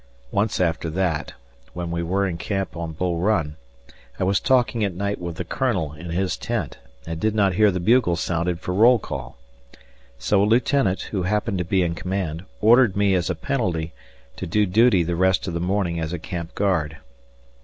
Once after that, when we were in camp on Bull Run, I was talking at night with the Colonel in his tent and did not hear the bugle sounded for roll call. So a lieutenant, who happened to be in command, ordered me, as a penalty, to do duty the rest of the morning as a camp guard.